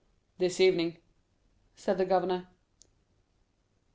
"This evening," said the governor.